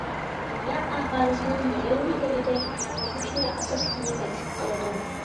دۇنيا ئاھالىسىنىڭ يېرىمى دېگۈدەك گۈرۈچنى ئاساسلىق يېمەكلىك قىلىدۇ.